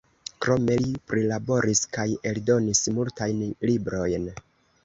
Krome li prilaboris kaj eldonis multajn librojn.